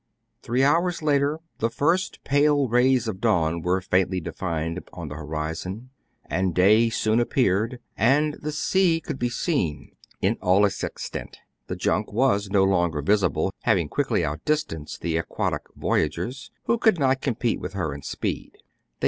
Three hours later the first pale rays of dawn were faintly defined on the horizon, and day soon appeared, and the sea could be seen in all its ex tent. The junk was no longer visible, having quickly outdistanced the aquatic voyagers, who could not compete with her in speed. They